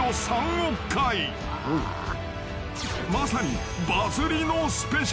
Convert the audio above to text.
［まさに］